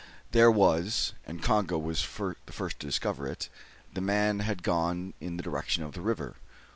There was; and Congo was the first to discover it. The man had gone in the direction of the river.